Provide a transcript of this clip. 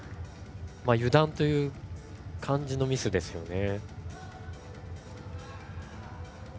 油断という感じのミスですよね。